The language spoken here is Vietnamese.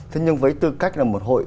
thế nhưng với tư cách là một hội